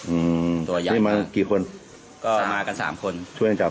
อืมตัวใหญ่นี่มากี่คนก็มากันสามคนช่วยกันจับ